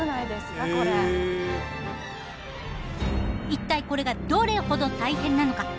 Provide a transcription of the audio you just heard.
一体これがどれほど大変なのか。